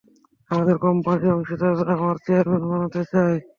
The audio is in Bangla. আমাদের কোম্পানির অংশীদাররা আমাকে চেয়ারম্যান বানাতে চায়।